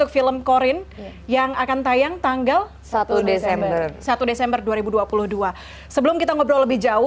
film korin ini mengisahkan